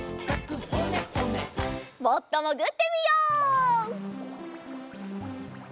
もっともぐってみよう。